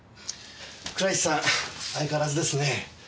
倉石さん相変わらずですねぇ。